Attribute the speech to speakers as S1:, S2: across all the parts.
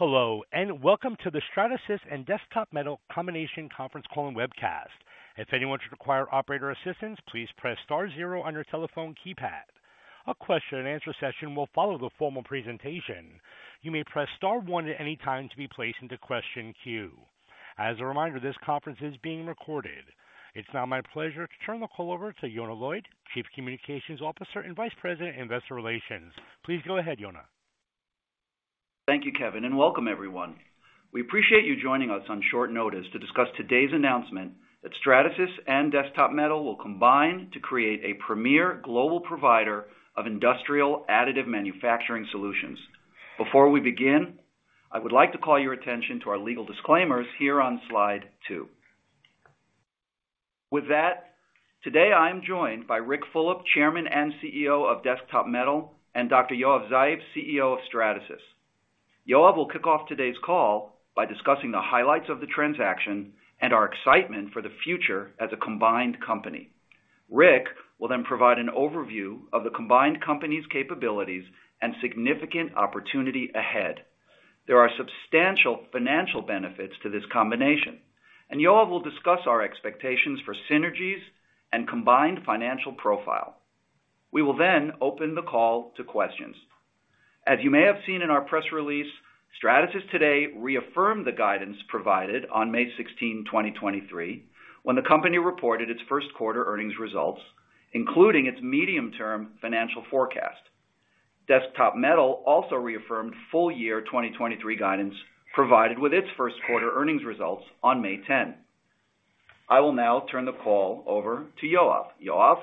S1: Hello, welcome to the Stratasys and Desktop Metal Combination Conference Call and Webcast. If anyone should require operator assistance, please press star zero on your telephone keypad. A question and answer session will follow the formal presentation. You may press star one at any time to be placed into question queue. As a reminder, this conference is being recorded. It's now my pleasure to turn the call over to Yonah Lloyd, Chief Communications Officer and Vice President, Investor Relations. Please go ahead, Yonah.
S2: Thank you, Kevin. Welcome everyone. We appreciate you joining us on short notice to discuss today's announcement that Stratasys and Desktop Metal will combine to create a premier global provider of industrial additive manufacturing solutions. Before we begin, I would like to call your attention to our legal disclaimers here on slide two. With that, today I am joined by Ric Fulop, Chairman and CEO of Desktop Metal, and Dr. Yoav Zeif, CEO of Stratasys. Yoav will kick off today's call by discussing the highlights of the transaction and our excitement for the future as a combined company. Ric will provide an overview of the combined company's capabilities and significant opportunity ahead. There are substantial financial benefits to this combination. Yoav will discuss our expectations for synergies and combined financial profile. We will open the call to questions. As you may have seen in our press release, Stratasys today reaffirmed the guidance provided on May 16, 2023, when the company reported its first quarter earnings results, including its medium-term financial forecast. Desktop Metal also reaffirmed full year 2023 guidance provided with its first quarter earnings results on May 10. I will now turn the call over to Yoav. Yoav?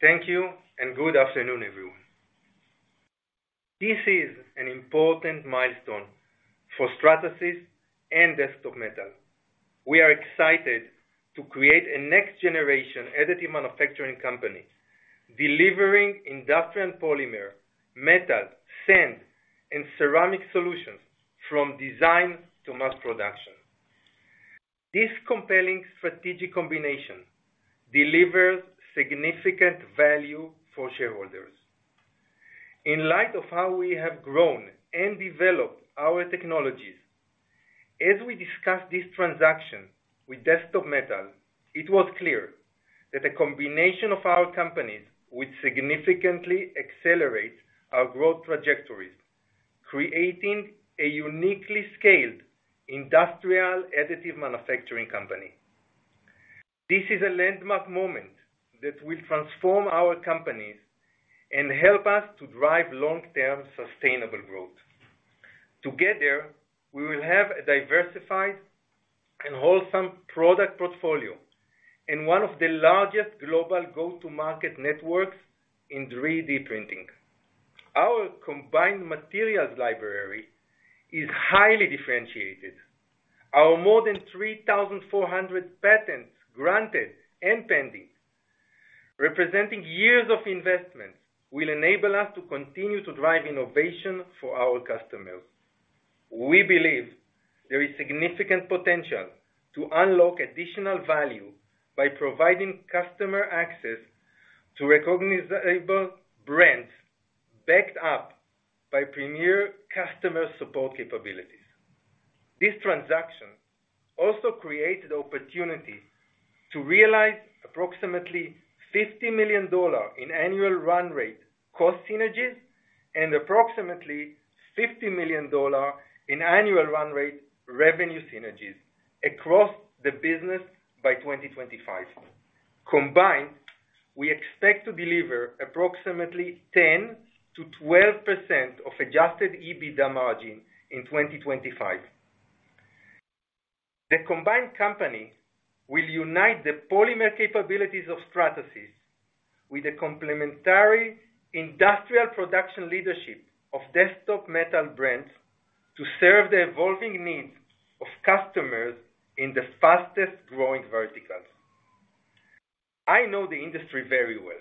S3: Thank you, good afternoon, everyone. This is an important milestone for Stratasys and Desktop Metal. We are excited to create a next generation additive manufacturing company, delivering industrial polymer, metal, sand, and ceramic solutions from design to mass production. This compelling strategic combination delivers significant value for shareholders. In light of how we have grown and developed our technologies, as we discussed this transaction with Desktop Metal, it was clear that the combination of our companies would significantly accelerate our growth trajectories, creating a uniquely scaled industrial additive manufacturing company. This is a landmark moment that will transform our companies and help us to drive long-term sustainable growth. Together, we will have a diversified and wholesome product portfolio and one of the largest global go-to-market networks in three-D printing. Our combined materials library is highly differentiated. Our more than 3,400 patents granted and pending, representing years of investment, will enable us to continue to drive innovation for our customers. We believe there is significant potential to unlock additional value by providing customer access to recognizable brands, backed up by premier customer support capabilities. This transaction also creates the opportunity to realize approximately $50 million in annual run rate cost synergies and approximately $50 million in annual run rate revenue synergies across the business by 2025. Combined, we expect to deliver approximately 10%-12% of adjusted EBITDA margin in 2025. The combined company will unite the polymer capabilities of Stratasys with the complementary industrial production leadership of Desktop Metal brands to serve the evolving needs of customers in the fastest growing verticals. I know the industry very well.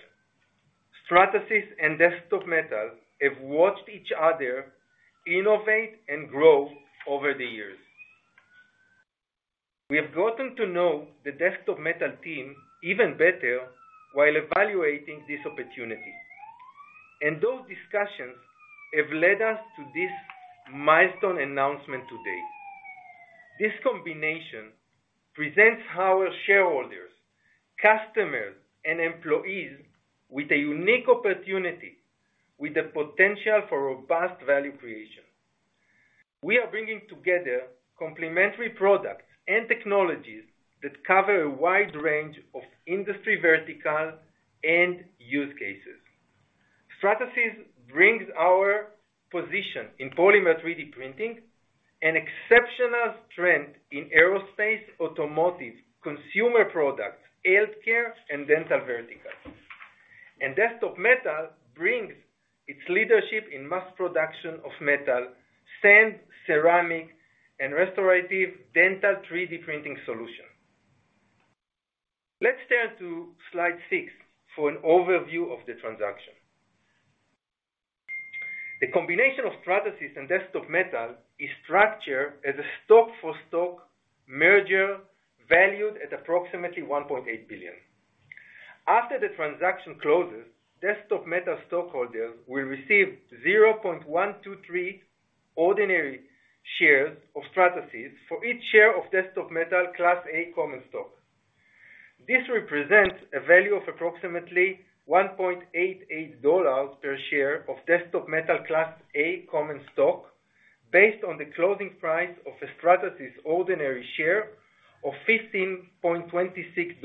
S3: Stratasys and Desktop Metal have watched each other innovate and grow over the years. We have gotten to know the Desktop Metal team even better while evaluating this opportunity, and those discussions have led us to this milestone announcement today. This combination presents our shareholders, customers, and employees with a unique opportunity, with the potential for robust value creation. We are bringing together complementary products and technologies that cover a wide range of industry verticals and use cases. Stratasys brings our position in polymer three D printing, an exceptional strength in aerospace, automotive, consumer products, healthcare, and dental verticals. Desktop Metal brings its leadership in mass production of metal, sand, ceramic, and restorative dental three D printing solution. Let's turn to slide six for an overview of the transaction. The combination of Stratasys and Desktop Metal is structured as a stock for stock merger, valued at approximately $1.8 billion. After the transaction closes, Desktop Metal stockholders will receive 0.123 ordinary shares of Stratasys for each share of Desktop Metal Class A common stock. This represents a value of approximately $1.88 per share of Desktop Metal Class A common stock, based on the closing price of a Stratasys ordinary share of $15.26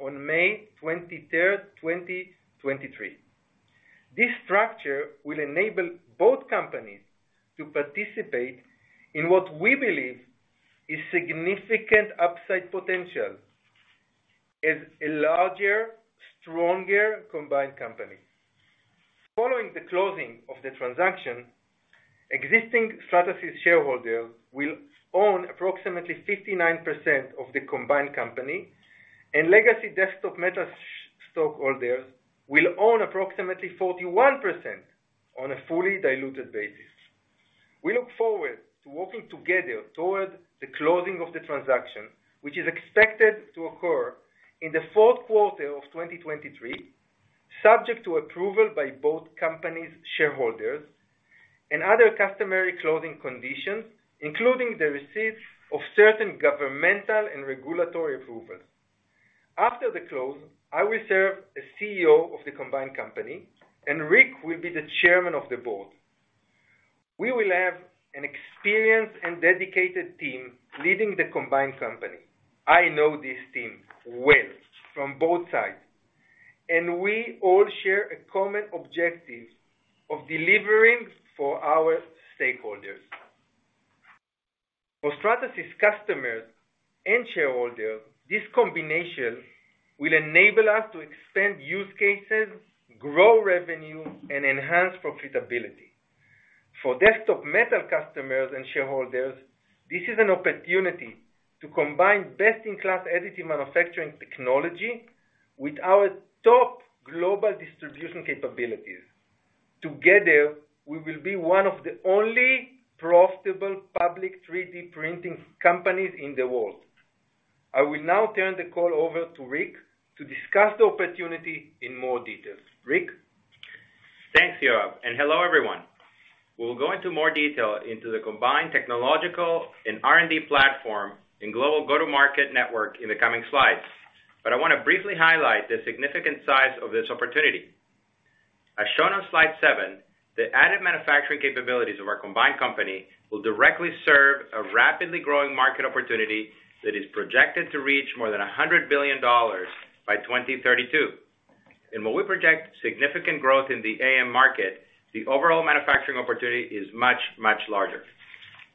S3: on May 23rd, 2023. This structure will enable both companies to participate in what we believe is significant upside potential as a larger, stronger combined company. Following the closing of the transaction, existing Stratasys shareholders will own approximately 59% of the combined company, and legacy Desktop Metal stockholders will own approximately 41% on a fully diluted basis. We look forward to working together toward the closing of the transaction, which is expected to occur in the fourth quarter of 2023, subject to approval by both companies' shareholders and other customary closing conditions, including the receipt of certain governmental and regulatory approvals. After the close, I will serve as CEO of the combined company, and Ric will be the chairman of the board. We will have an experienced and dedicated team leading the combined company. I know this team well from both sides, and we all share a common objective of delivering for our stakeholders. For Stratasys customers and shareholders, this combination will enable us to expand use cases, grow revenue, and enhance profitability. For Desktop Metal customers and shareholders, this is an opportunity to combine best-in-class additive manufacturing technology with our top global distribution capabilities. Together, we will be one of the only profitable public three D printing companies in the world. I will now turn the call over to Ric to discuss the opportunity in more details. Ric?
S4: Thanks, Yoav, hello, everyone. We'll go into more detail into the combined technological and R&D platform and global go-to-market network in the coming slides. I want to briefly highlight the significant size of this opportunity. As shown on slide 7, the added manufacturing capabilities of our combined company will directly serve a rapidly growing market opportunity that is projected to reach more than $100 billion by 2032. While we project significant growth in the AM market, the overall manufacturing opportunity is much, much larger.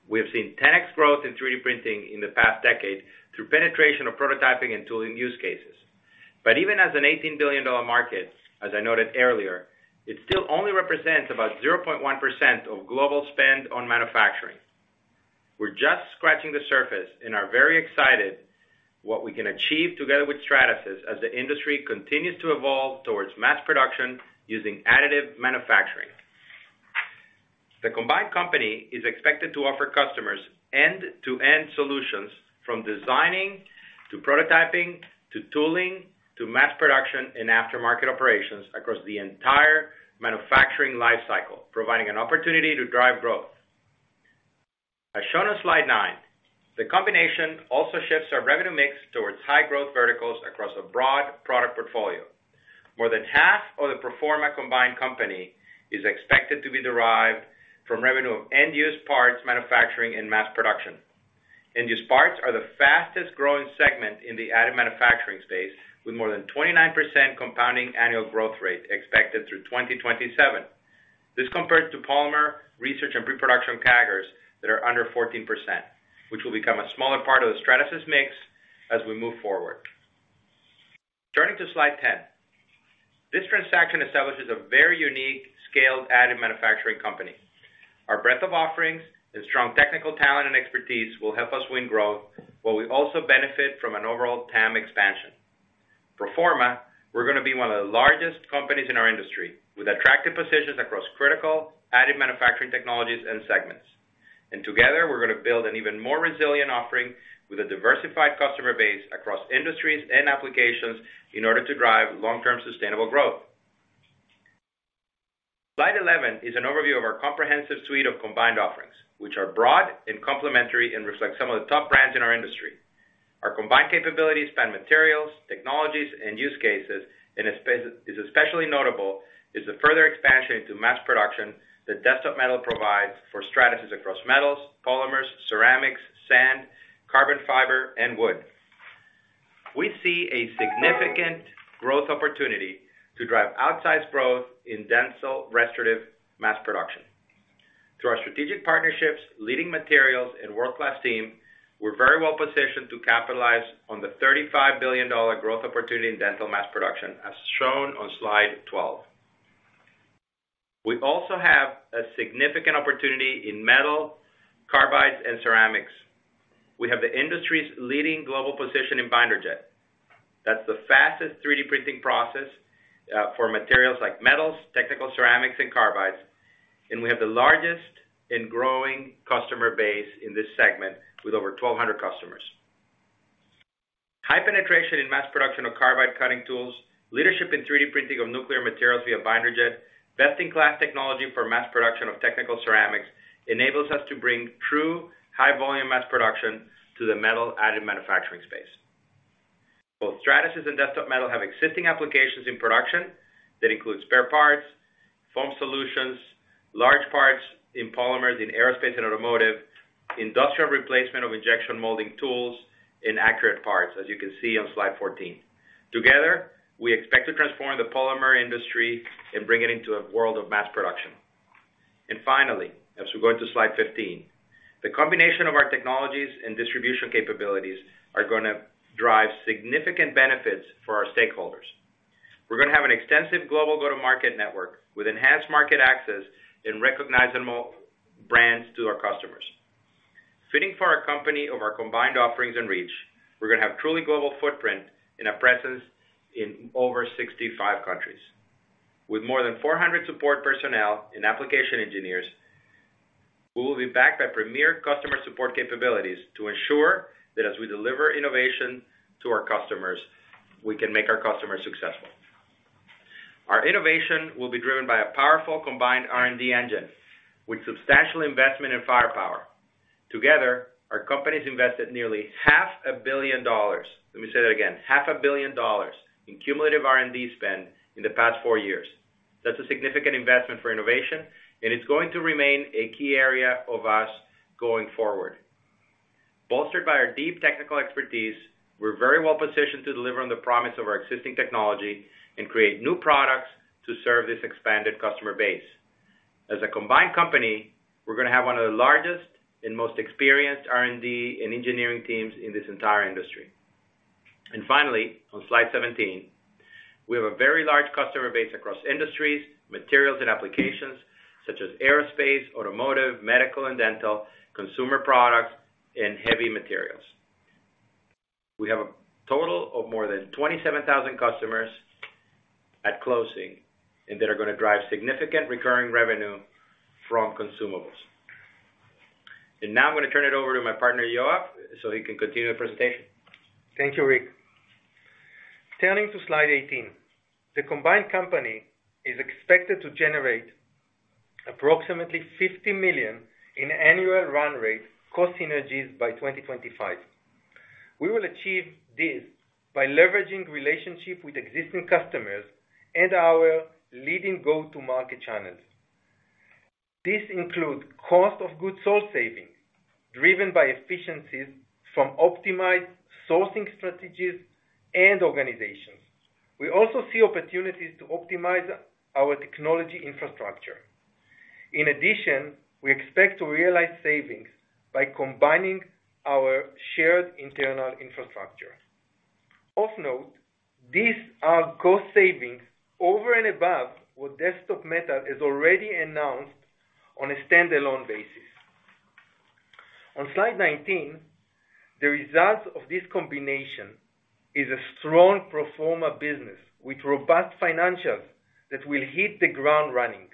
S4: We have seen 10x growth in 3D printing in the past decade through penetration of prototyping and tooling use cases. Even as an $18 billion market, as I noted earlier, it still only represents about 0.1% of global spend on manufacturing. We're just scratching the surface and are very excited what we can achieve together with Stratasys as the industry continues to evolve towards mass production using additive manufacturing. The combined company is expected to offer customers end-to-end solutions, from designing, to prototyping, to tooling, to mass production and aftermarket operations across the entire manufacturing life cycle, providing an opportunity to drive growth. As shown on slide nine, the combination also shifts our revenue mix towards high growth verticals across a broad product portfolio. More than half of the pro forma combined company is expected to be derived from revenue of end use parts, manufacturing and mass production. End use parts are the fastest growing segment in the additive manufacturing space, with more than 29% compounding annual growth rate expected through 2027. This compared to polymer research and pre-production CAGRs that are under 14%, which will become a smaller part of the Stratasys mix as we move forward. Turning to slide 10. This transaction establishes a very unique scaled additive manufacturing company. Our breadth of offerings and strong technical talent and expertise will help us win growth, while we also benefit from an overall TAM expansion. Pro forma, we're gonna be one of the largest companies in our industry, with attractive positions across critical additive manufacturing technologies and segments. Together, we're gonna build an even more resilient offering with a diversified customer base across industries and applications in order to drive long-term sustainable growth. Slide 11 is an overview of our comprehensive suite of combined offerings, which are broad and complementary, and reflect some of the top brands in our industry. Our combined capabilities span materials, technologies, and use cases, is especially notable, is the further expansion into mass production that Desktop Metal provides for Stratasys across metals, polymers, ceramics, sand, carbon fiber, and wood. We see a significant growth opportunity to drive outsized growth in dental restorative mass production. Through our strategic partnerships, leading materials, and world-class team, we're very well positioned to capitalize on the $35 billion growth opportunity in dental mass production, as shown on slide 12. We also have a significant opportunity in metal, carbides, and ceramics. We have the industry's leading global position in binder jet. That's the fastest 3D printing process for materials like metals, technical ceramics and carbides. We have the largest and growing customer base in this segment, with over 1,200 customers. High penetration in mass production of carbide cutting tools, leadership in three D printing of nuclear materials via binder jet, best-in-class technology for mass production of technical ceramics, enables us to bring true high volume mass production to the metal additive manufacturing space. Both Stratasys and Desktop Metal have existing applications in production that includes spare parts, foam solutions, large parts in polymers, in aerospace and automotive, industrial replacement of injection molding tools, and accurate parts, as you can see on slide 14. Together, we expect to transform the polymer industry and bring it into a world of mass production. Finally, as we go to slide 15. The combination of our technologies and distribution capabilities are gonna drive significant benefits for our stakeholders. We're gonna have an extensive global go-to-market network, with enhanced market access and recognizable brands to our customers. Fitting for our company of our combined offerings and reach, we're gonna have truly global footprint and a presence in over 65 countries. With more than 400 support personnel and application engineers, we will be backed by premier customer support capabilities to ensure that as we deliver innovation to our customers, we can make our customers successful. Our innovation will be driven by a powerful combined R&D engine, with substantial investment and firepower. Together, our companies invested nearly half a billion dollars. Let me say that again, half a billion dollars in cumulative R&D spend in the past four years. That's a significant investment for innovation, and it's going to remain a key area of us going forward. Bolstered by our deep technical expertise, we're very well positioned to deliver on the promise of our existing technology and create new products to serve this expanded customer base. As a combined company, we're gonna have one of the largest and most experienced R&D and engineering teams in this entire industry. Finally, on slide 17, we have a very large customer base across industries, materials, and applications such as aerospace, automotive, medical and dental, consumer products, and heavy materials. We have a total of more than 27,000 customers at closing, and that are gonna drive significant recurring revenue from consumables. Now I'm gonna turn it over to my partner, Yoav, so he can continue the presentation.
S3: Thank you, Ric. Turning to slide 18. The combined company is expected to generate approximately $50 million in annual run rate cost synergies by 2025. We will achieve this by leveraging relationship with existing customers and our leading go-to-market channels. This includes COGS saving, driven by efficiencies from optimized sourcing strategies and organizations. We also see opportunities to optimize our technology infrastructure. We expect to realize savings by combining our shared internal infrastructure. Of note, these are cost savings over and above what Desktop Metal has already announced on a standalone basis. On slide 19, the result of this combination is a strong pro forma business, with robust financials that will hit the ground running.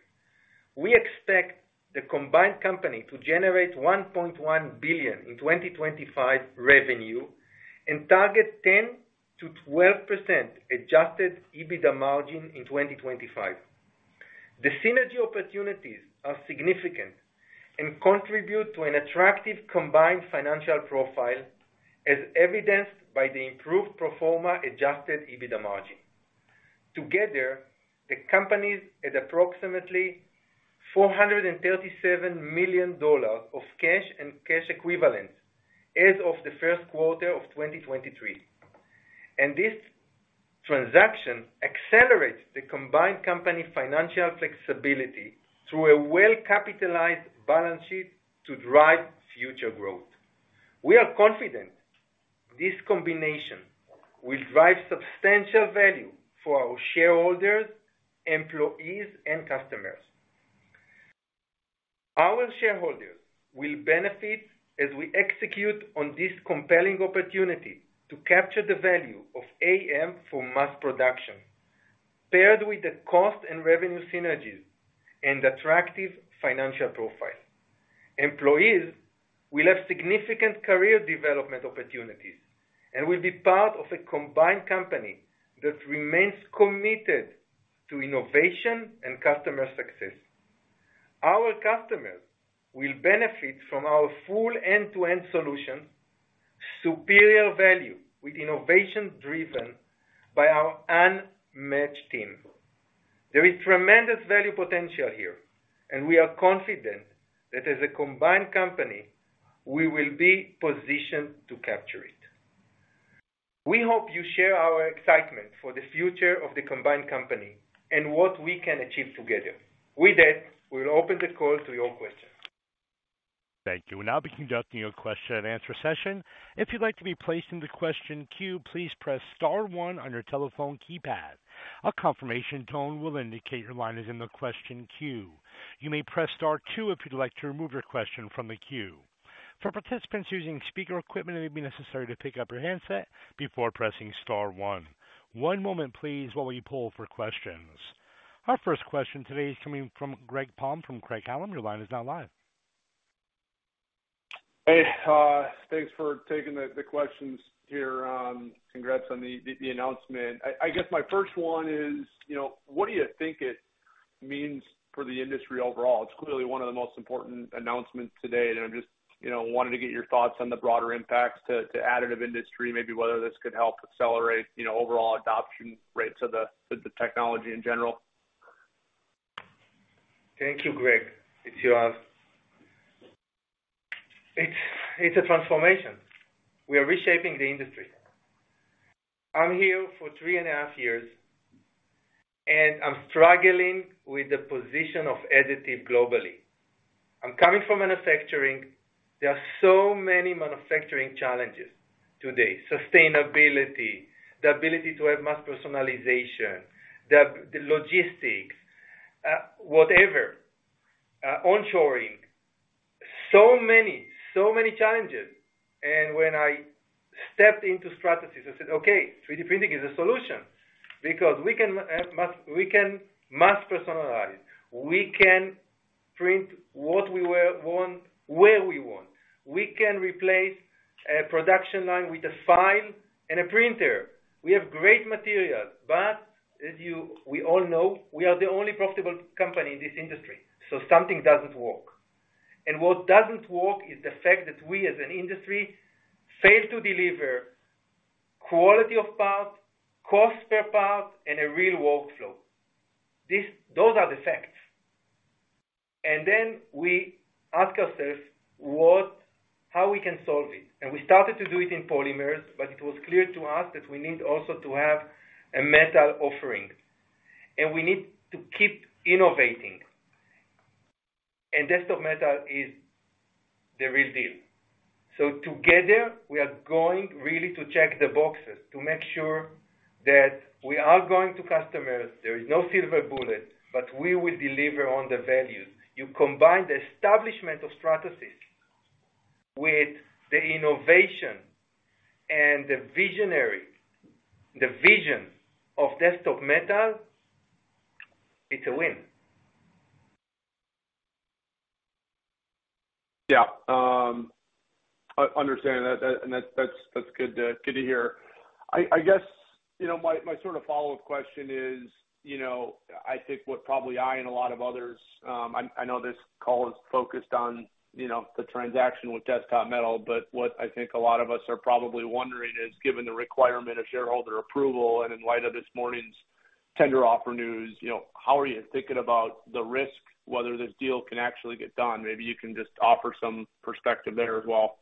S3: We expect the combined company to generate $1.1 billion in 2025 revenue, and target 10%-12% adjusted EBITDA margin in 2025. The synergy opportunities are significant and contribute to an attractive combined financial profile, as evidenced by the improved pro forma adjusted EBITDA margin. Together, the companies at approximately $437 million of cash and cash equivalents as of the first quarter of 2023. This transaction accelerates the combined company financial flexibility through a well-capitalized balance sheet to drive future growth. We are confident this combination will drive substantial value for our shareholders, employees, and customers. Our shareholders will benefit as we execute on this compelling opportunity to capture the value of AM for mass production, paired with the cost and revenue synergies and attractive financial profile. Employees will have significant career development opportunities, and will be part of a combined company that remains committed to innovation and customer success. Our customers will benefit from our full end-to-end solution, superior value with innovation driven by our unmatched team. There is tremendous value potential here. We are confident that as a combined company, we will be positioned to capture it. We hope you share our excitement for the future of the combined company and what we can achieve together. With that, we'll open the call to your questions.
S1: Thank you. We'll now be conducting a question and answer session. If you'd like to be placed in the question queue, please press star one on your telephone keypad. A confirmation tone will indicate your line is in the question queue. You may press star two if you'd like to remove your question from the queue. For participants using speaker equipment, it may be necessary to pick up your handset before pressing star one. One moment please, while we pull for questions. Our first question today is coming from Greg Palm from Craig-Hallum. Your line is now live.
S5: Hey, thanks for taking the questions here. Congrats on the announcement. I guess my first one is, you know, what do you think it means for the industry overall? It's clearly one of the most important announcements today, and I'm just, you know, wanted to get your thoughts on the broader impacts to additive industry, maybe whether this could help accelerate, you know, overall adoption rates of the technology in general.
S3: Thank you, Greg. It's Yoav. It's a transformation. We are reshaping the industry. I'm here for 3.5 years, and I'm struggling with the position of additive globally. I'm coming from manufacturing. There are so many manufacturing challenges today: sustainability, the ability to have mass personalization, the logistics, whatever, onshoring. So many challenges. When I stepped into Stratasys, I said, "Okay, three D printing is a solution," because we can mass personalize. We can print what we were want, where we want. We can replace a production line with a file and a printer. We have great materials, but as you, we all know, we are the only profitable company in this industry, so something doesn't work. What doesn't work is the fact that we, as an industry, fail to deliver quality of part, cost per part, and a real workflow. Those are the facts. Then we ask ourselves, how we can solve it? We started to do it in polymers, but it was clear to us that we need also to have a metal offering, and we need to keep innovating. Desktop Metal is the real deal. Together, we are going really to check the boxes to make sure that we are going to customers, there is no silver bullet, but we will deliver on the values. You combine the establishment of Stratasys with the innovation and the vision of Desktop Metal, it's a win.
S5: I understand that, and that's good to hear. I guess, you know, my sort of follow-up question is, you know, I think what probably I and a lot of others, I know this call is focused on, you know, the transaction with Desktop Metal, but what I think a lot of us are probably wondering is, given the requirement of shareholder approval and in light of this morning's tender offer news, you know, how are you thinking about the risk, whether this deal can actually get done? Maybe you can just offer some perspective there as well.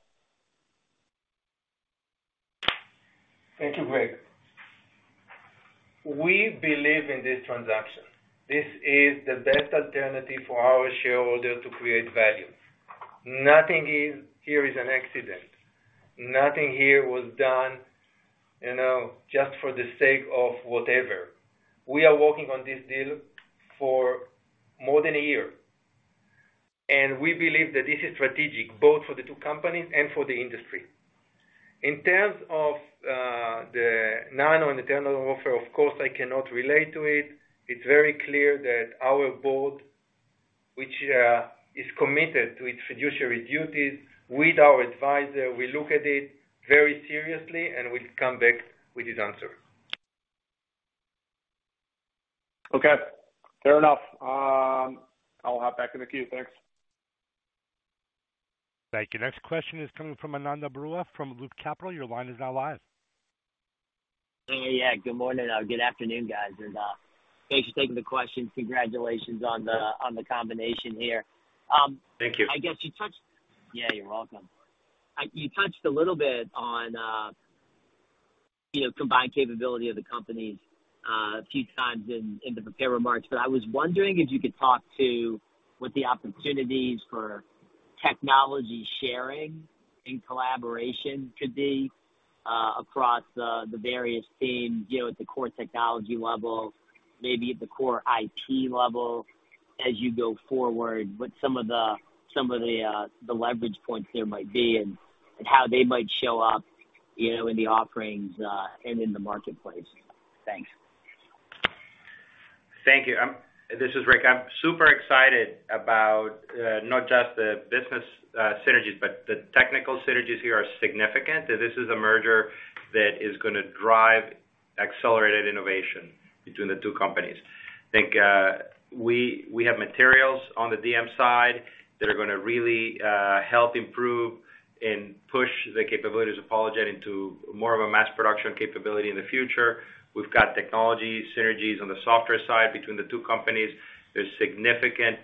S3: Thank you, Greg. We believe in this transaction. This is the best alternative for our shareholder to create value. Nothing is, here is an accident. Nothing here was done, you know, just for the sake of whatever. We are working on this deal for more than a year, and we believe that this is strategic, both for the two companies and for the industry. In terms of the Nano and the Nano offer, of course, I cannot relate to it. It's very clear that our board, which is committed to its fiduciary duties with our advisor, we look at it very seriously, and we come back with his answer.
S5: Okay, fair enough. I'll hop back in the queue. Thanks.
S1: Thank you. Next question is coming from Ananda Baruah, from Loop Capital. Your line is now live.
S6: Hey, yeah, good morning, good afternoon, guys, and thanks for taking the questions. Congratulations.
S3: Thank you.
S6: On the combination here.
S3: Thank you.
S6: I guess you touched. Yeah, you're welcome. You touched a little bit on, you know, combined capability of the companies a few times in the prepared remarks, but I was wondering if you could talk to what the opportunities for technology sharing and collaboration could be across the various teams, you know, at the core technology level, maybe at the core IT level as you go forward, what some of the leverage points there might be and how they might show up, you know, in the offerings and in the marketplace. Thanks.
S4: Thank you. This is Ric. I'm super excited about not just the business synergies, but the technical synergies here are significant. This is a merger that is gonna drive accelerated innovation between the two companies. I think, we have materials on the DM side that are gonna really help improve and push the capabilities of Apogei into more of a mass production capability in the future. We've got technology synergies on the software side between the two companies. There's significant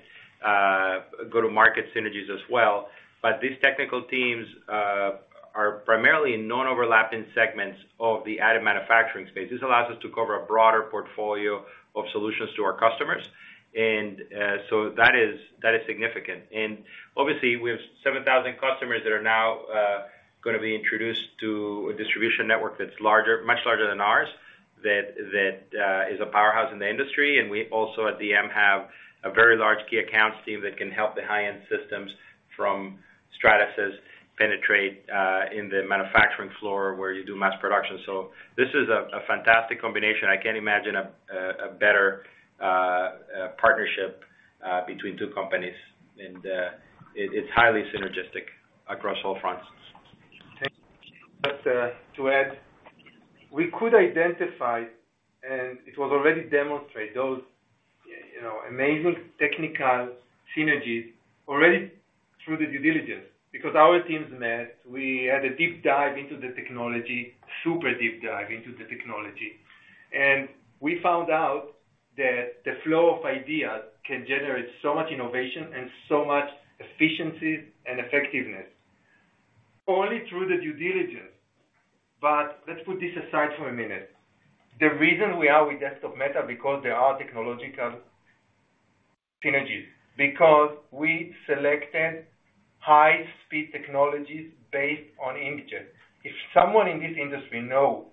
S4: go-to-market synergies as well. These technical teams are primarily in non-overlapping segments of the added manufacturing space. This allows us to cover a broader portfolio of solutions to our customers, and so that is, that is significant. Obviously, we have 7,000 customers that are now- going to be introduced to a distribution network that's larger, much larger than ours, that, is a powerhouse in the industry. We also at DM, have a very large key account team that can help the high-end systems from Stratasys penetrate, in the manufacturing floor where you do mass production. This is a fantastic combination. I can't imagine a better, partnership, between two companies. It's highly synergistic across all fronts.
S3: Thank you. Just to add, we could identify, and it was already demonstrated, those, you know, amazing technical synergies already through the due diligence, because our teams met. We had a deep dive into the technology, super deep dive into the technology, and we found out that the flow of ideas can generate so much innovation and so much efficiency and effectiveness. Only through the due diligence. Let's put this aside for a minute. The reason we are with Desktop Metal, because there are technological synergies, because we selected high speed technologies based on integers. If someone in this industry know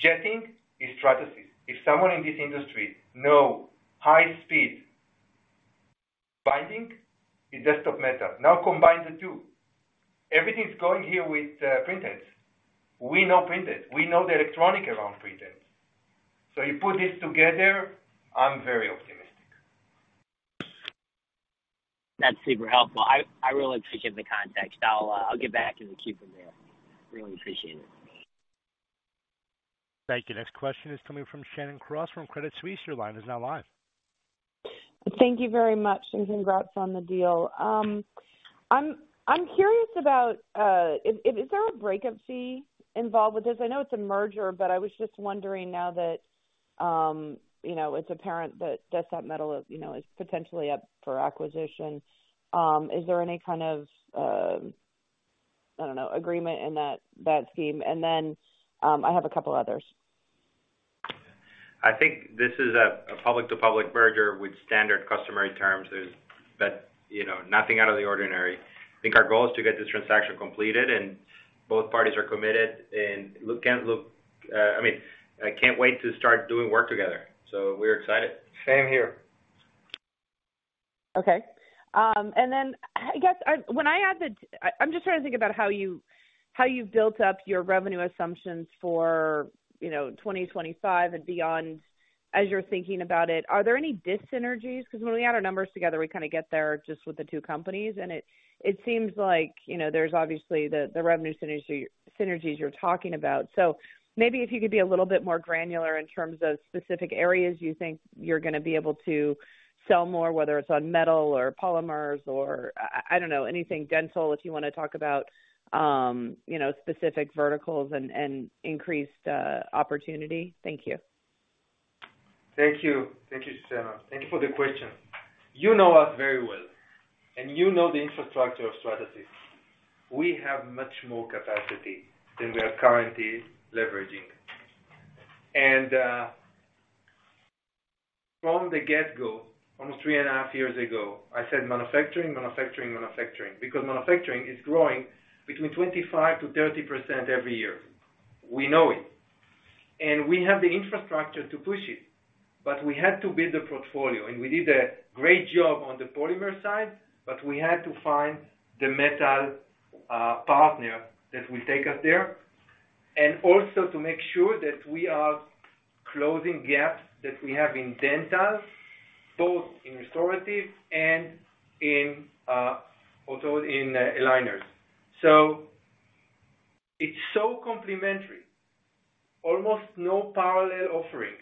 S3: jetting, it's Stratasys. If someone in this industry know high speed binding, it's Desktop Metal. Combine the two. Everything is going here with printheads. We know printheads, we know the electronic around printheads. You put this together, I'm very optimistic.
S6: That's super helpful. I really appreciate the context. I'll get back and then keep it there. Really appreciate it.
S1: Thank you. Next question is coming from Shannon Cross from Credit Suisse. Your line is now live.
S7: Thank you very much, and congrats on the deal. I'm curious about, is there a breakup fee involved with this? I know it's a merger, but I was just wondering now that, you know, it's apparent that Desktop Metal is, you know, is potentially up for acquisition, is there any kind of, I don't know, agreement in that scheme? I have a couple others.
S4: I think this is a public to public merger with standard customary terms. You know, nothing out of the ordinary. I think our goal is to get this transaction completed, both parties are committed, can't look, I mean, I can't wait to start doing work together. We're excited.
S3: Same here.
S7: Okay. I guess, when I add the... I'm just trying to think about how you, how you've built up your revenue assumptions for, you know, 2025 and beyond. As you're thinking about it, are there any dyssynergies? Because when we add our numbers together, we kind of get there just with the two companies, and it seems like, you know, there's obviously the revenue synergy, synergies you're talking about. Maybe if you could be a little bit more granular in terms of specific areas you think you're going to be able to sell more, whether it's on metal or polymers or, I don't know, anything dental, if you want to talk about, you know, specific verticals and increased opportunity. Thank you.
S3: Thank you. Thank you, Shannon. Thank you for the question. You know us very well, and you know the infrastructure of Stratasys. We have much more capacity than we are currently leveraging. From the get-go, almost 3.5 years ago, I said, "Manufacturing, manufacturing." Manufacturing is growing between 25%-30% every year. We know it. We have the infrastructure to push it, but we had to build a portfolio, and we did a great job on the polymer side, but we had to find the metal partner that will take us there. Also to make sure that we are closing gaps that we have in dental, both in restorative and in aligners. It's so complementary, almost no parallel offering.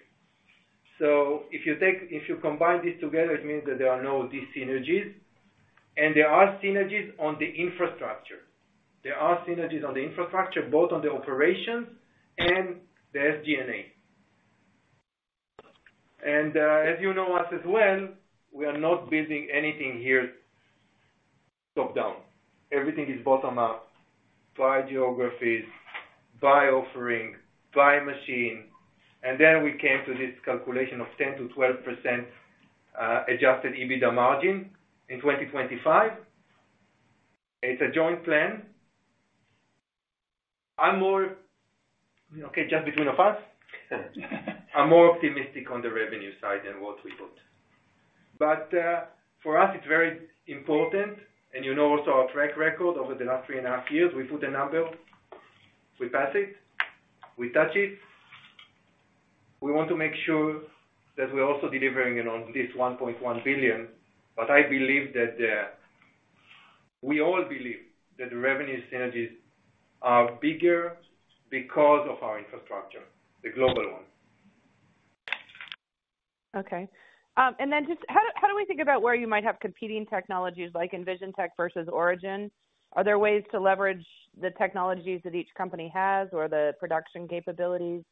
S3: If you combine this together, it means that there are no dyssynergies, and there are synergies on the infrastructure. There are synergies on the infrastructure, both on the operations and the SG&A. As you know us as well, we are not building anything here, top-down. Everything is bottom-up, by geographies, by offering, by machine, and then we came to this calculation of 10%-12% adjusted EBITDA margin in 2025. It's a joint plan. Okay, just between of us, I'm more optimistic on the revenue side than what we put. For us, it's very important, and you know, also our track record over the last three and a half years, we put a number, we pass it, we touch it. We want to make sure that we're also delivering it on this $1.1 billion. I believe that, we all believe that the revenue synergies are bigger because of our infrastructure, the global one.
S7: Okay. Just how do we think about where you might have competing technologies like EnvisionTEC versus Origin? Are there ways to leverage the technologies that each company has or the production capabilities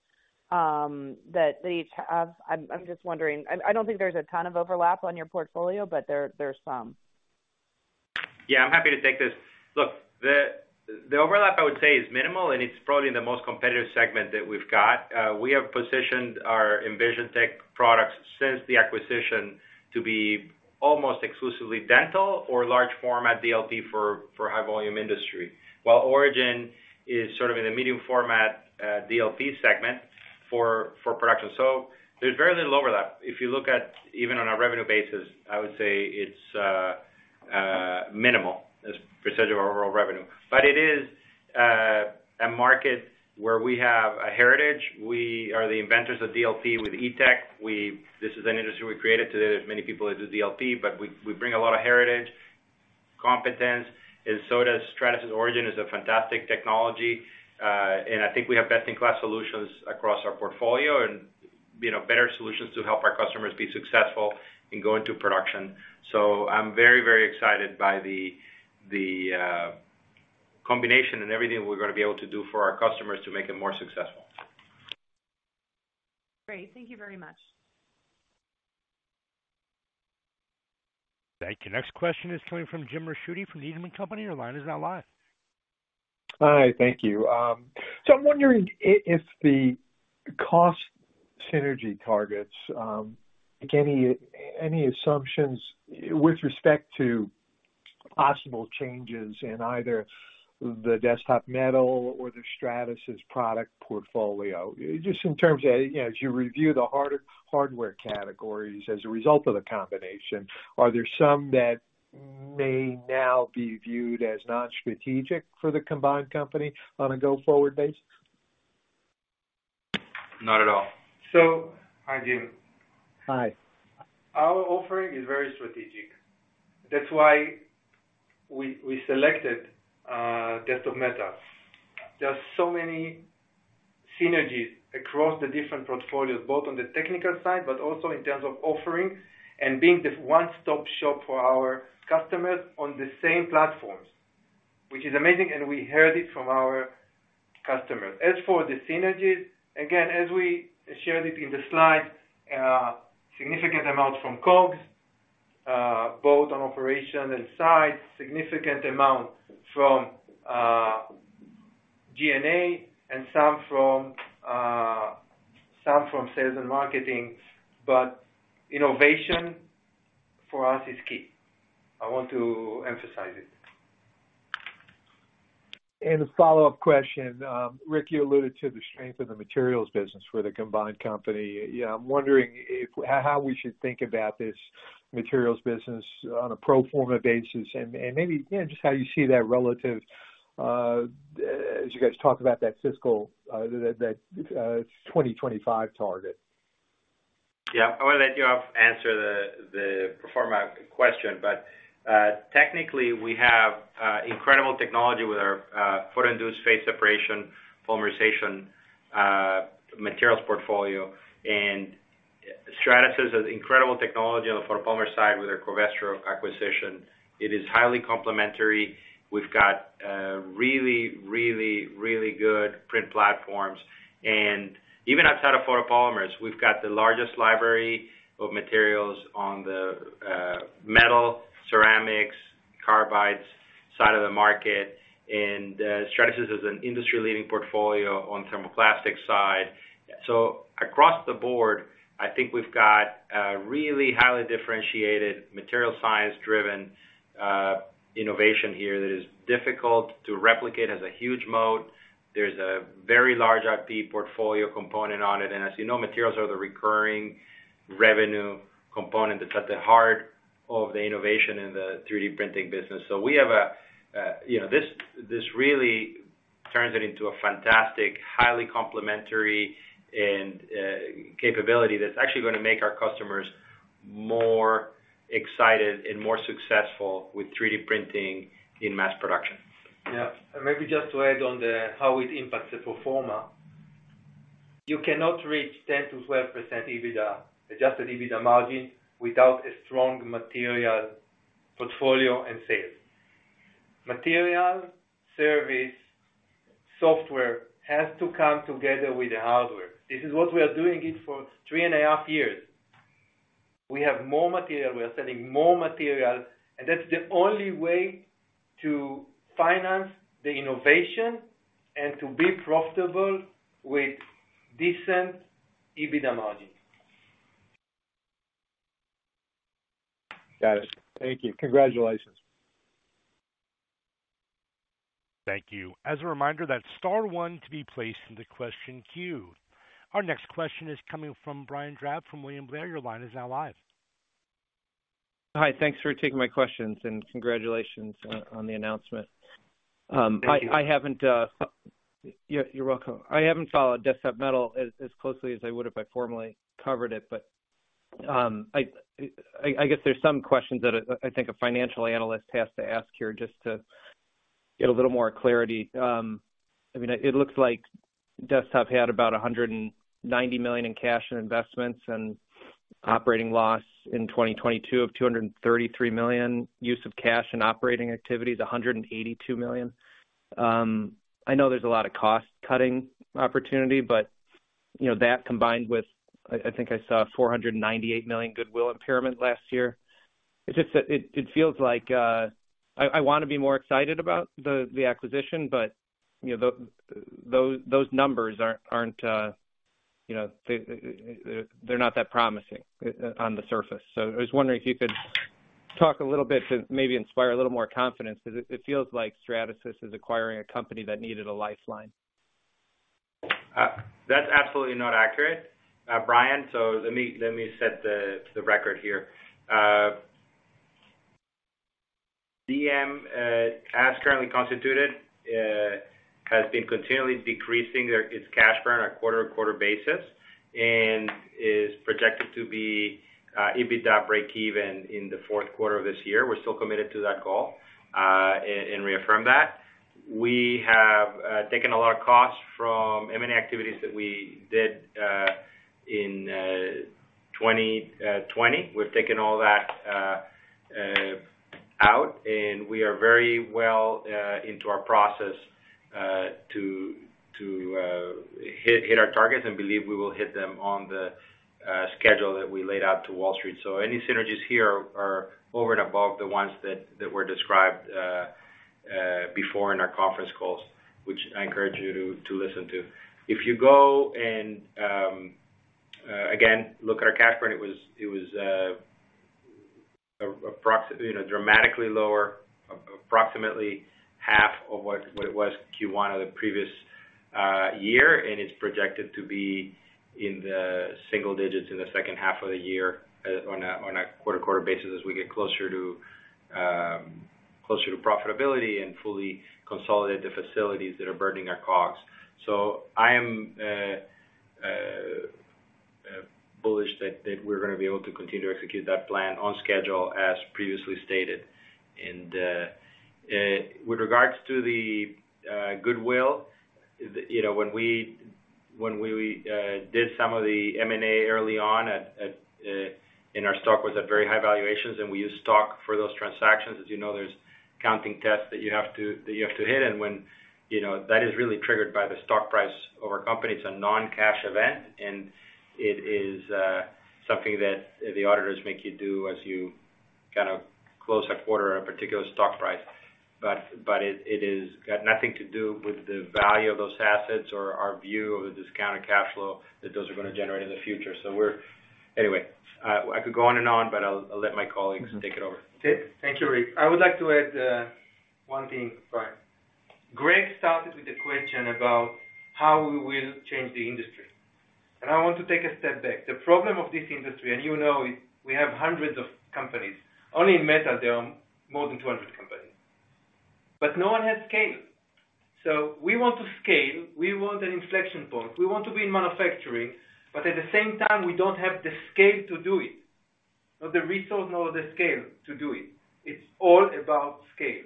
S7: that they each have? I'm just wondering. I don't think there's a ton of overlap on your portfolio, but there are some.
S4: Yeah, I'm happy to take this. Look, the overlap, I would say, is minimal, and it's probably in the most competitive segment that we've got. We have positioned our EnvisionTEC products since the acquisition to be almost exclusively Dental or large format DLP for high volume industry. While Origin is sort of in the medium format, DLP segment for production. There's very little overlap. If you look at even on a revenue basis, I would say it's minimal as percentage of our overall revenue. It is a market where we have a heritage. We are the inventors of DLP with ETech. This is an industry we created. Today, there's many people that do DLP, but we bring a lot of heritage, competence, and so does Stratasys. Origin is a fantastic technology, I think we have best-in-class solutions across our portfolio and, you know, better solutions to help our customers be successful in going to production. I'm very, very excited by the combination and everything we're going to be able to do for our customers to make it more successful.
S7: Great. Thank you very much.
S1: Thank you. Next question is coming from Jim Ricchiuti from Needham & Company. Your line is now live.
S8: Hi, thank you. I'm wondering if the cost synergy targets, any assumptions with respect to possible changes in either the Desktop Metal or the Stratasys product portfolio, just in terms of, you know, as you review the hardware categories as a result of the combination, are there some that may now be viewed as non-strategic for the combined company on a go-forward basis?
S4: Not at all.
S3: Hi, Jim.
S8: Hi.
S3: Our offering is very strategic. That's why we selected Desktop Metal. There are so many synergies across the different portfolios, both on the technical side, but also in terms of offerings and being the one-stop shop for our customers on the same platforms, which is amazing, and we heard it from our customers. As for the synergies, again, as we shared it in the slide, significant amounts from COGS, both on operation and size, significant amount from G&A and some from sales and marketing. Innovation for us is key. I want to emphasize it.
S8: A follow-up question. Rick, you alluded to the strength of the materials business for the combined company. I'm wondering how we should think about this materials business on a pro forma basis and maybe, again, just how you see that relative as you guys talk about that fiscal that 2025 target.
S4: Yeah. I want to let Yoav answer the pro forma question. Technically, we have incredible technology with our photo-induced phase separation polymerization materials portfolio, and Stratasys has incredible technology on the photopolymer side with their Covestro acquisition. It is highly complementary. We've got a really, really, really good print platforms. Even outside of photopolymers, we've got the largest library of materials on the metal, ceramics, carbides side of the market, and Stratasys is an industry-leading portfolio on thermoplastic side. Across the board, I think we've got a really highly differentiated material, science-driven innovation here that is difficult to replicate, has a huge moat. There's a very large IP portfolio component on it, and as you know, materials are the recurring revenue component that's at the heart of the innovation in the three D printing business. We have a, you know. This really turns it into a fantastic, highly complementary and capability that's actually going to make our customers more excited and more successful with three-D printing in mass production.
S3: Yeah. Maybe just to add on the, how it impacts the pro forma. You cannot reach 10%-12% EBITDA, adjusted EBITDA margin without a strong material portfolio and sales. Material, service, software has to come together with the hardware. This is what we are doing it for three and a half years. We have more material, we are selling more material, that's the only way to finance the innovation and to be profitable with decent EBITDA margin.
S8: Got it. Thank you. Congratulations.
S1: Thank you. As a reminder, that's star one to be placed in the question queue. Our next question is coming from Brian Drab from William Blair. Your line is now live.
S9: Hi, thanks for taking my questions, and congratulations on the announcement.
S4: Thank you.
S9: Yeah, you're welcome. I haven't followed Desktop Metal as closely as I would if I formally covered it, but I guess there's some questions that I think a financial analyst has to ask here just to get a little more clarity. I mean, it looks like Desktop Metal had about $190 million in cash and investments and operating loss in 2022 of $233 million, use of cash and operating activities, $182 million. I know there's a lot of cost-cutting opportunity, but you know, that combined with, I think I saw $498 million goodwill impairment last year. It's just that it feels like, I want to be more excited about the acquisition, you know, those numbers aren't, you know, they're not that promising on the surface. I was wondering if you could talk a little bit to maybe inspire a little more confidence, because it feels like Stratasys is acquiring a company that needed a lifeline.
S4: That's absolutely not accurate, Brian. Let me set the record here. DM, as currently constituted, has been continually decreasing its cash burn on a quarter-to-quarter basis, and is projected to be EBITDA breakeven in the fourth quarter of this year. We're still committed to that goal and reaffirm that. We have taken a lot of costs from M&A activities that we did in 2020. We've taken all that out, we are very well into our process to hit our targets, believe we will hit them on the schedule that we laid out to Wall Street. Any synergies here are over and above the ones that were described before in our conference calls, which I encourage you to listen to. If you go and again, look at our cash burn, it was, you know, dramatically lower, approximately half of what it was Q1 of the previous year. It's projected to be in the single digits in the second half of the year on a quarter-to-quarter basis, as we get closer to profitability and fully consolidate the facilities that are burning our costs. I am bullish that we're going to be able to continue to execute that plan on schedule, as previously stated. With regards to the goodwill, you know, when we, when we did some of the M&A early on and our stock was at very high valuations, and we used stock for those transactions, as you know, there's counting tests that you have to hit. When, you know, that is really triggered by the stock price of our company, it's a non-cash event, and it is something that the auditors make you do as you kind of close a quarter on a particular stock price. It got nothing to do with the value of those assets or our view of the discounted cash flow that those are going to generate in the future. Anyway, I could go on and on, but I'll let my colleagues take it over.
S3: Thank you, Ric. I would like to add one thing, Brian. Greg started with a question about how we will change the industry. I want to take a step back. The problem of this industry, you know, we have hundreds of companies. Only in metal, there are more than 200 companies. No one has scale. We want to scale, we want an inflection point, we want to be in manufacturing, but at the same time, we don't have the scale to do it, not the resource, nor the scale to do it. It's all about scale.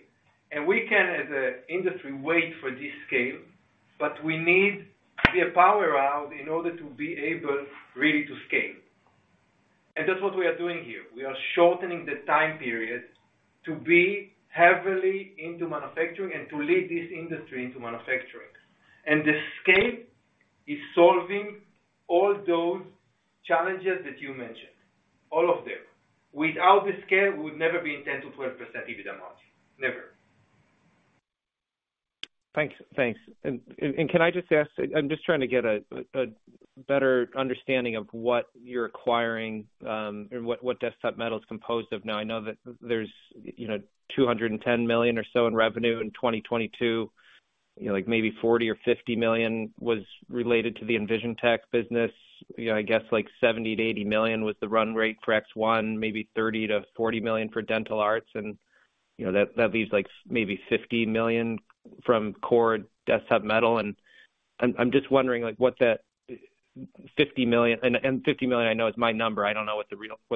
S3: We can, as an industry, wait for this scale, but we need to be a power out in order to be able really to scale. That's what we are doing here. We are shortening the time period to be heavily into manufacturing and to lead this industry into manufacturing. The scale is solving all those challenges that you mentioned, all of them. Without the scale, we would never be in 10% to 12% EBITDA margin. Never.
S9: Thanks. Can I just ask, I'm just trying to get a better understanding of what you're acquiring, and what Desktop Metal is composed of. Now, I know that there's, you know, $210 million or so in revenue in 2022. You know, like maybe $40 million or $50 million was related to the EnvisionTec business. You know, I guess like $70 million-$80 million was the run rate for ExOne, maybe $30 million-$40 million for Dental Arts, and, you know, that leaves, like, maybe $50 million from core Desktop Metal. I'm just wondering, like, what that $50 million... $50 million I know is my number. I don't know what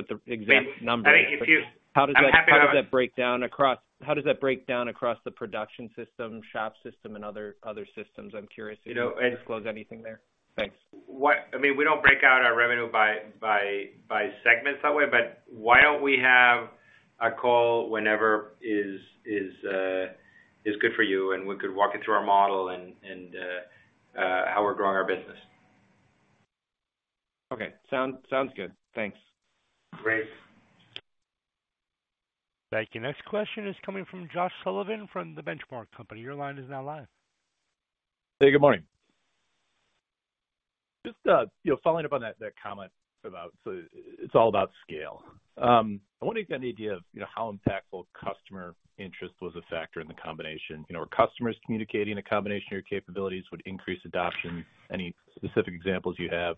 S9: the exact number is.
S4: I, if you-
S9: How does that break down across the production system, shop system, and other systems? I'm curious if you can disclose anything there. Thanks.
S4: I mean, we don't break out our revenue by segments that way, but why don't we have a call whenever is good for you, and we could walk you through our model and how we're growing our business.
S9: Okay. Sounds good. Thanks.
S4: Great.
S1: Thank you. Next question is coming from Josh Sullivan from The Benchmark Company. Your line is now live.
S10: Hey, good morning. Just, you know, following up on that comment about so it's all about scale. I'm wondering if you have any idea of, you know, how impactful customer interest was a factor in the combination. You know, are customers communicating a combination of your capabilities would increase adoption? Any specific examples you have,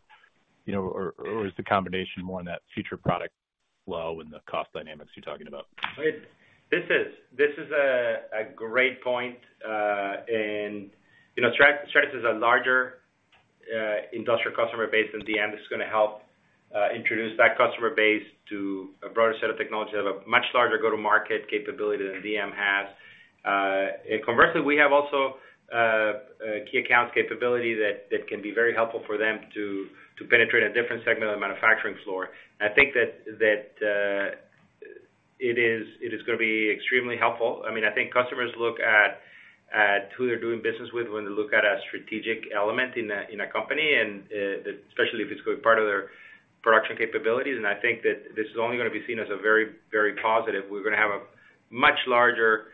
S10: you know, is the combination more on that future product flow and the cost dynamics you're talking about?
S4: This is a great point. You know, Stratasys is a larger industrial customer base, and DM is going to help introduce that customer base to a broader set of technology, have a much larger go-to-market capability than DM has. Conversely, we have also a key accounts capability that can be very helpful for them to penetrate a different segment of the manufacturing floor. I think that... It is going to be extremely helpful. I mean, I think customers look at who they're doing business with when they look at a strategic element in a company, and especially if it's part of their production capabilities. I think that this is only going to be seen as a very, very positive. We're going to have a much larger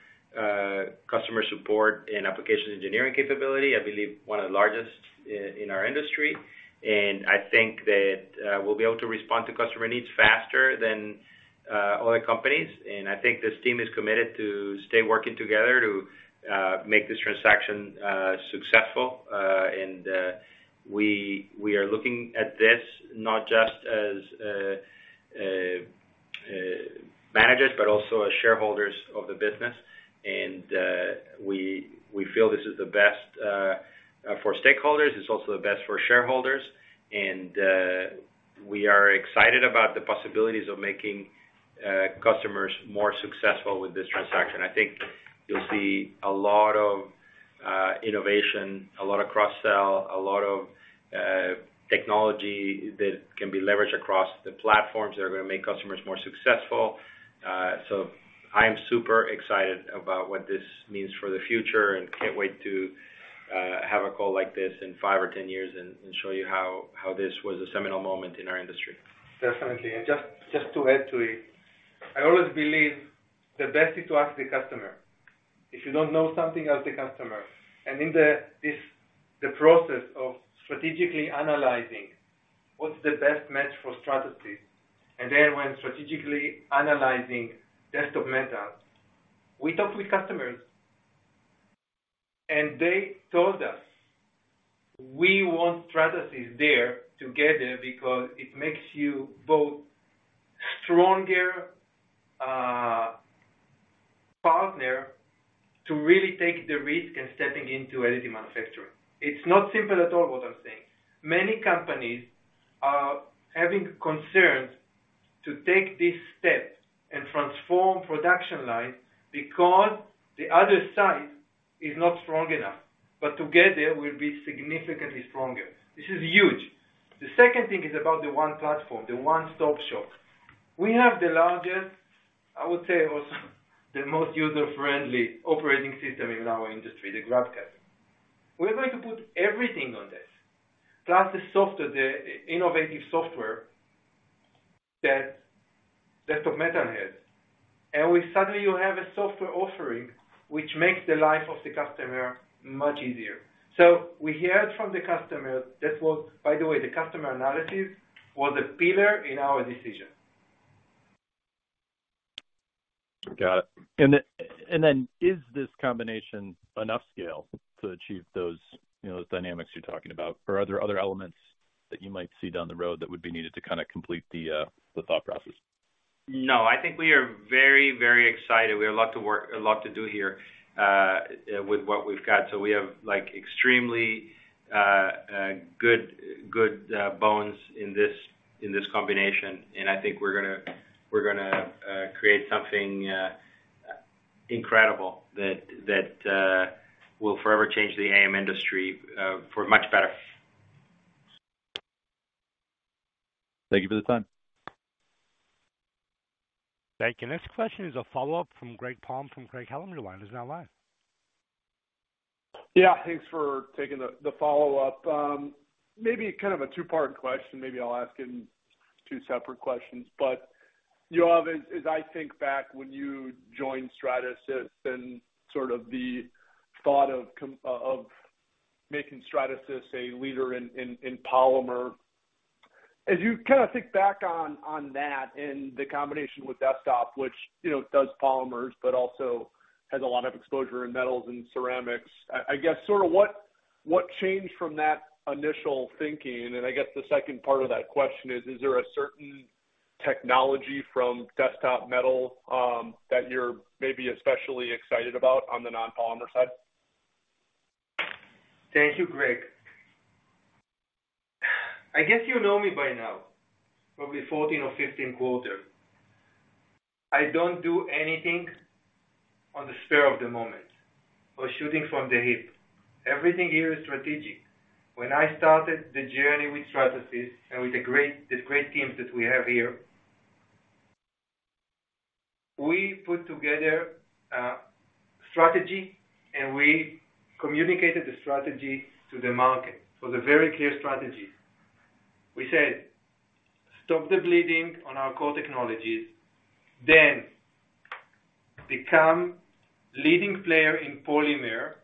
S4: customer support and application engineering capability, I believe one of the largest in our industry. I think that we'll be able to respond to customer needs faster than other companies. I think this team is committed to stay working together to make this transaction successful. We are looking at this not just as managers, but also as shareholders of the business. We feel this is the best for stakeholders. It's also the best for shareholders. We are excited about the possibilities of making customers more successful with this transaction. I think you'll see a lot of innovation, a lot of cross-sell, a lot of technology that can be leveraged across the platforms that are going to make customers more successful. I am super excited about what this means for the future and can't wait to have a call like this in five or 10 years and show you how this was a seminal moment in our industry.
S3: Definitely. Just to add to it, I always believe the best is to ask the customer. If you don't know something, ask the customer. In the process of strategically analyzing what's the best match for Stratasys, then when strategically analyzing Desktop Metal, we talked with customers and they told us, "We want Stratasys there together because it makes you both stronger partner to really take the risk and stepping into any manufacturing." It's not simple at all, what I'm saying. Many companies are having concerns to take this step and transform production lines because the other side is not strong enough, but together we'll be significantly stronger. This is huge. The second thing is about the one platform, the one-stop shop. We have the largest, I would say, also, the most user-friendly operating system in our industry, the GrabCAD. We're going to put everything on this, plus the software, the innovative software that Desktop Metal has. Suddenly you have a software offering, which makes the life of the customer much easier. We heard from the customers, this was, by the way, the customer analysis, was a pillar in our decision.
S10: Got it. Then is this combination enough scale to achieve those, you know, those dynamics you're talking about? Are there other elements that you might see down the road that would be needed to kind of complete the thought process?
S4: No, I think we are very, very excited. We have a lot to work, a lot to do here, with what we've got. We have, like, extremely, good, bones in this, in this combination, I think we're gonna create something, incredible that will forever change the AM industry, for much better.
S10: Thank you for the time.
S1: Thank you. Next question is a follow-up from Greg Palm from Craig-Hallum Line, is now live.
S5: Yeah, thanks for taking the follow-up. Maybe kind of a two-part question. Maybe I'll ask in two separate questions. Yoav, as I think back when you joined Stratasys and sort of the thought of making Stratasys a leader in polymer, as you kind of think back on that and the combination with Desktop, which, you know, does polymers, but also has a lot of exposure in metals and ceramics, I guess, sort of what changed from that initial thinking? I guess the second part of that question is there a certain technology from Desktop Metal that you're maybe especially excited about on the non-polymer side?
S3: Thank you, Greg. I guess you know me by now, probably 14 or 15 quarters. I don't do anything on the spur of the moment or shooting from the hip. Everything here is strategic. When I started the journey with Stratasys and with this great teams that we have here, we put together a strategy. We communicated the strategy to the market. It was a very clear strategy. We said, "Stop the bleeding on our core technologies, then become leading player in polymer,"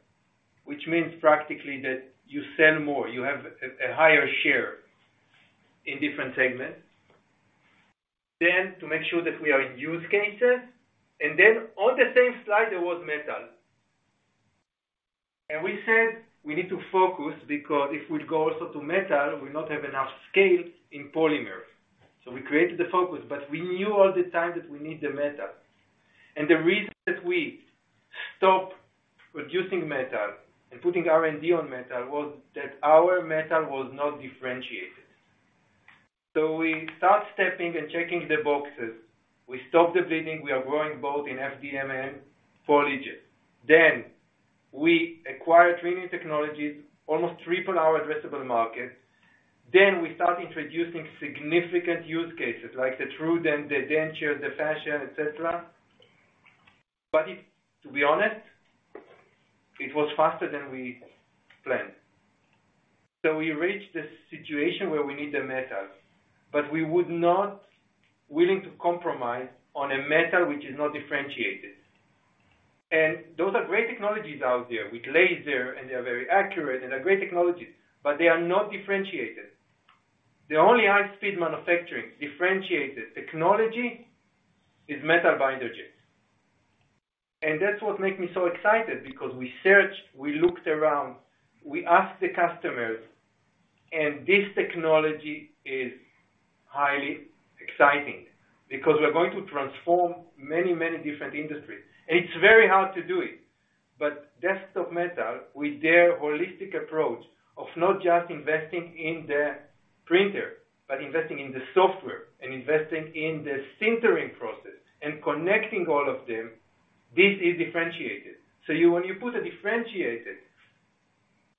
S3: which means practically that you sell more, you have a higher share in different segments. To make sure that we are in use cases, on the same slide, there was metal. We said, we need to focus because if we go also to metal, we not have enough scale in polymer. We created the focus, but we knew all the time that we need the metal. The reason that we stopped producing metal and putting R&D on metal was that our metal was not differentiated. We start stepping and checking the boxes. We stop the bleeding, we are growing both in FDM, PolyJet. We acquired printing technologies, almost triple our addressable market. We start introducing significant use cases like the TrueDent, the denture, the fashion, et cetera. It, to be honest, it was faster than we planned. We reached this situation where we need the metals, but we would not willing to compromise on a metal which is not differentiated. Those are great technologies out there with laser, and they are very accurate and are great technologies, but they are not differentiated. The only high-speed manufacturing differentiated technology is metal binder jet. That's what makes me so excited, because we searched, we looked around, we asked the customers, and this technology is highly exciting because we're going to transform many, many different industries. It's very hard to do it. Desktop Metal, with their holistic approach of not just investing in the printer, but investing in the software and investing in the sintering process and connecting all of them, this is differentiated. You, when you put a differentiated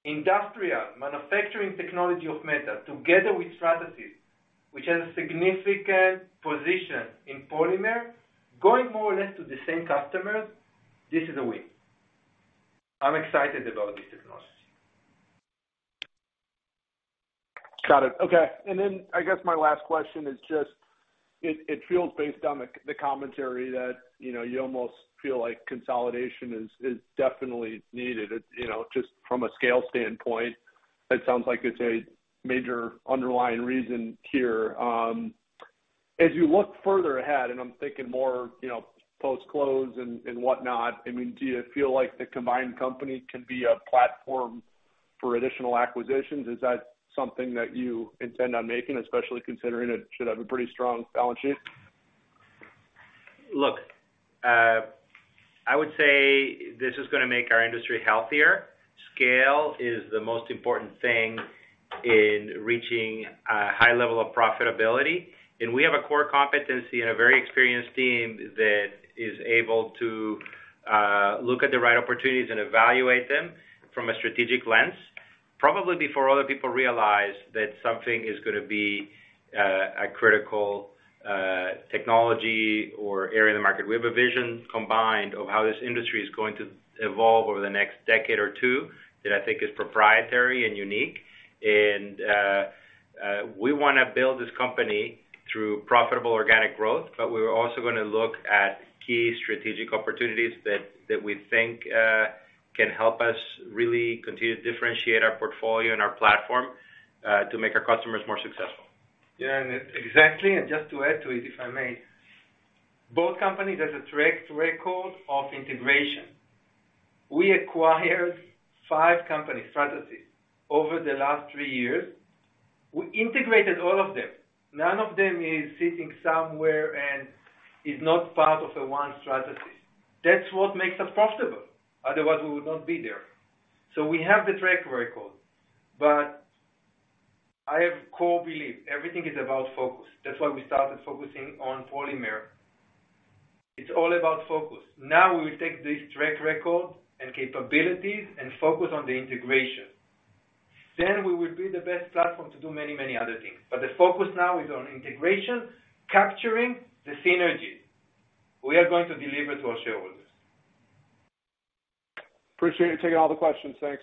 S3: industrial manufacturing technology of metal together with Stratasys, which has a significant position in polymer, going more or less to the same customers, this is a win. I'm excited about this technology.
S5: Got it. Okay, I guess my last question is just, it feels based on the commentary that, you know, you almost feel like consolidation is definitely needed. It's, you know, just from a scale standpoint, it sounds like it's a major underlying reason here. As you look further ahead, and I'm thinking more, you know, post-close and whatnot, I mean, do you feel like the combined company can be a platform for additional acquisitions? Is that something that you intend on making, especially considering it should have a pretty strong balance sheet?
S4: Look, I would say this is going to make our industry healthier. Scale is the most important thing in reaching a high level of profitability. We have a core competency and a very experienced team that is able to look at the right opportunities and evaluate them from a strategic lens, probably before other people realize that something is going to be a critical technology or area of the market. We have a vision combined of how this industry is going to evolve over the next decade or two, that I think is proprietary and unique. We want to build this company through profitable organic growth, but we're also going to look at key strategic opportunities that we think can help us really continue to differentiate our portfolio and our platform to make our customers more successful.
S3: Exactly, and just to add to it, if I may. Both companies has a track record of integration. We acquired five company Stratasys over the last three years. We integrated all of them. None of them is sitting somewhere and is not part of the one Stratasys. That's what makes us profitable. Otherwise, we would not be there. We have the track record, but I have core belief, everything is about focus. That's why we started focusing on polymer. It's all about focus. We will take this track record and capabilities and focus on the integration. We will be the best platform to do many, many other things. The focus now is on integration, capturing the synergy we are going to deliver to our shareholders.
S5: Appreciate it. Taking all the questions. Thanks.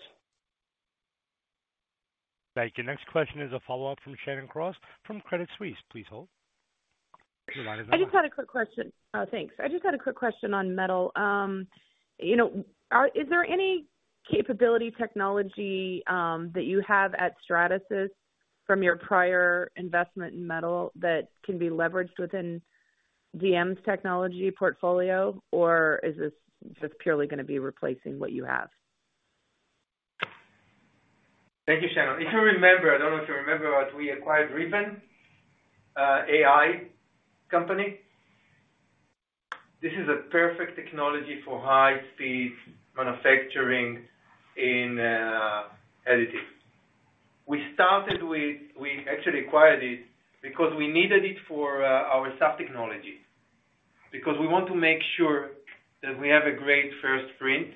S1: Thank you. Next question is a follow-up from Shannon Cross, from Credit Suisse. Please hold. Your line is open.
S7: I just had a quick question. Thanks. I just had a quick question on metal. You know, is there any capability technology that you have at Stratasys from your prior investment in metal that can be leveraged within DM's technology portfolio? Is this just purely going to be replacing what you have?
S3: Thank you, Shannon. If you remember, I don't know if you remember, but we acquired Riven, AI company. This is a perfect technology for high-speed manufacturing in additive. We actually acquired it because we needed it for our sub-technology, because we want to make sure that we have a great first print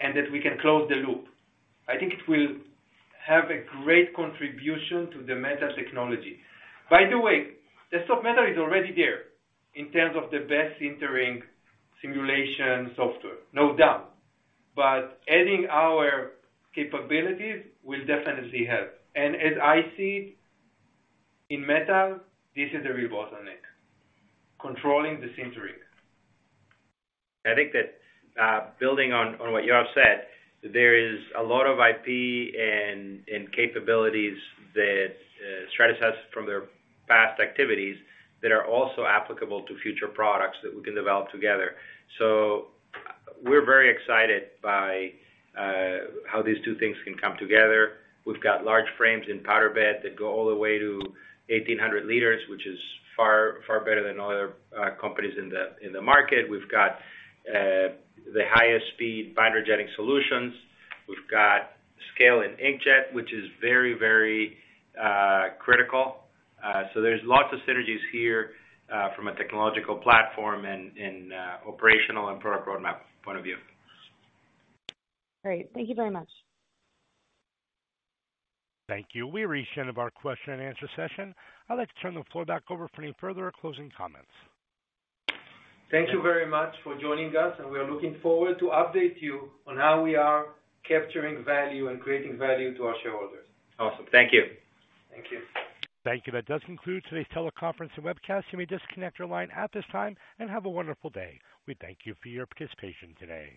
S3: and that we can close the loop. I think it will have a great contribution to the metal technology. By the way, the sub-metal is already there in terms of the best sintering simulation software, no doubt. Adding our capabilities will definitely help. As I see in metal, this is the bottleneck, controlling the sintering.
S4: I think that, building on what Yoav said, there is a lot of IP and capabilities that Stratasys from their past activities that are also applicable to future products that we can develop together. We're very excited by how these two things can come together. We've got large frames in powder bed that go all the way to 1,800 liters, which is far, far better than other companies in the market. We've got the highest speed binder jetting solutions. We've got scale in inkjet, which is very, very critical. There's lots of synergies here from a technological platform and operational and product roadmap point of view.
S7: Great. Thank you very much.
S1: Thank you. We reached the end of our question and answer session. I'd like to turn the floor back over for any further closing comments.
S3: Thank you very much for joining us, and we are looking forward to update you on how we are capturing value and creating value to our shareholders.
S4: Awesome. Thank you.
S3: Thank you.
S1: Thank you. That does conclude today's teleconference and webcast. You may disconnect your line at this time, and have a wonderful day. We thank you for your participation today.